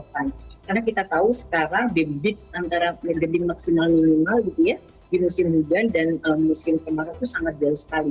karena kita tahu sekarang debit antara bedekin maksimal minimal gitu ya di musim hujan dan musim kemarau itu sangat jauh sekali